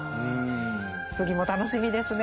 次も楽しみですね。